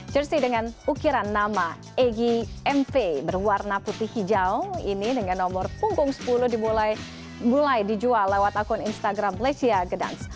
jersey dengan ukiran nama egy mv berwarna putih hijau ini dengan nomor punggung sepuluh dimulai dijual lewat akun instagram lecia gedans